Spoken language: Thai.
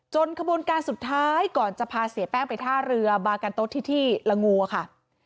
ขบวนการสุดท้ายก่อนจะพาเสียแป้งไปท่าเรือบากันโต๊ที่ที่ละงูค่ะ